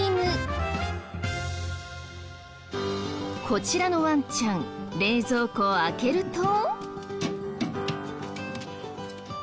こちらのワンちゃん冷蔵庫を開けると。